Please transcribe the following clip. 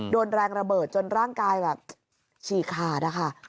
โดนแรงระเบิดจนร่างกายแบบฉีกขาดนะคะ